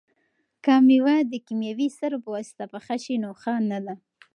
که مېوه د کیمیاوي سرو په واسطه پخه شي نو ښه نه ده.